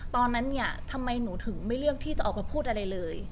ตอนนั้นเนี่ยทำไมหนูถึงไม่เลือกที่จะออกมาพูดอะไรเลย